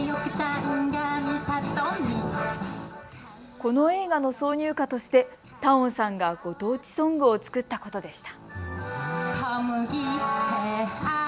この映画の挿入歌としてＴＡＯＮさんがご当地ソングを作ったことでした。